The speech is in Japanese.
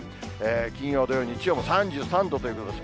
金曜、土曜、日曜も３３度ということです。